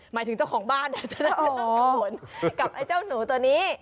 หมายถึงเจ้าของบ้านจะได้ไม่ต้องกังวลกับไอ้เจ้าหนูตัวนี้